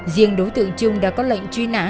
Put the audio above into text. riêng đối tượng trung đã có lệnh truy nã